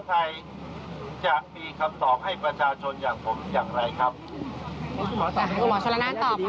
พักเพื่อไทยจะมีคำตอบให้ประชาชนอย่างผมอย่างไรครับ